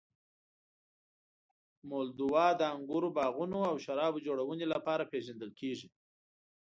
مولدوا د انګورو باغونو او شرابو جوړونې لپاره پېژندل کیږي.